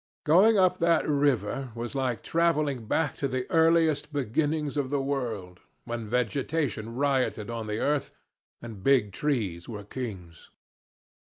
"Going up that river was like traveling back to the earliest beginnings of the world, when vegetation rioted on the earth and the big trees were kings.